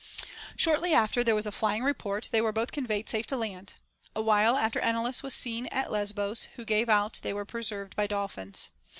Shortly after there was a flying report they were both conveyed safe to land. A while after Enalus was seen at Lesbos, who gave out they were preserved by dolphins.